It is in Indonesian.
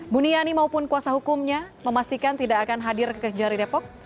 buniani maupun kuasa hukumnya memastikan tidak akan hadir ke kejari depok